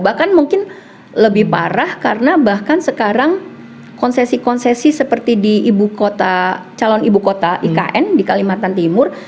bahkan mungkin lebih parah karena bahkan sekarang konsesi konsesi seperti di ibu kota calon ibu kota ikn di kalimantan timur